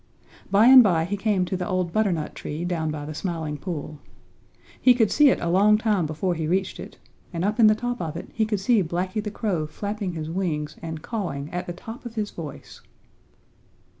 By and by he came to the old butternut tree down by the Smiling Pool. He could see it a long time before he reached it, and up in the top of it he could see Blacky the Crow flapping his wings and cawing at the top of his voice.